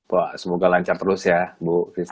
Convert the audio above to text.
wah semoga lancar terus ya bu rifana